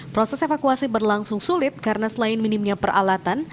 proses evakuasi berlangsung sulit karena selain minimnya peralatan